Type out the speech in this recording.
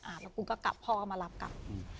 แล้วกูก็กลับพ่อก็มารับกลับ